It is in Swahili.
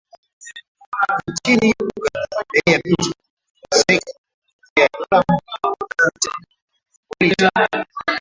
Nchini Uganda, bei ya petroli imeongezeka kufikia dola moja nukta nne kwa lita